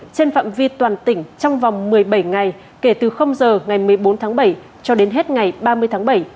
trên phạm vi toàn tỉnh trong vòng một mươi bảy ngày kể từ giờ ngày một mươi bốn tháng bảy cho đến hết ngày ba mươi tháng bảy